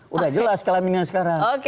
sudah jelas kelaminan sekarang